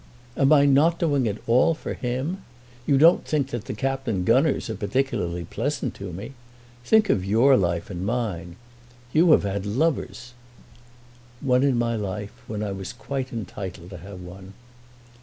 Am I not doing it all for him? You don't think that the Captain Gunners are particularly pleasant to me! Think of your life and of mine. You have had lovers." "One in my life, when I was quite entitled to have one."